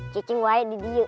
cicing waya di dia